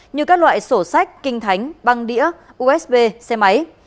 như các loại sổ sách kinh thánh băng đĩa usb xe máy